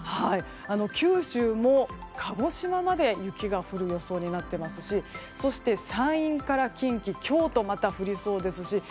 九州も鹿児島まで雪が降る予想になっていますしそして山陰から近畿京都もまた降りそうですし